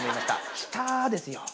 きたー！ですよ。